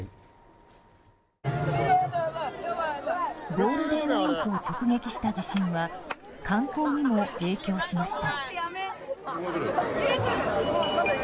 ゴールデンウィークを直撃した地震は観光にも影響しました。